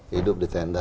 hidup di tenda